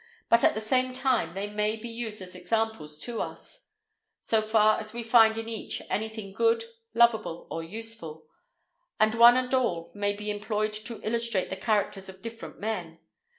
But, at the same time, they may be used as examples to us, so far as we find in each anything good, loveable, or useful: and one and all may be employed to illustrate the characters of different men.